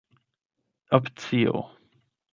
opcio